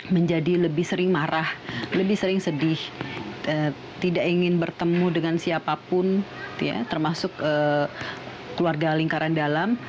menjadi lebih sering marah lebih sering sedih tidak ingin bertemu dengan siapapun termasuk keluarga lingkaran dalam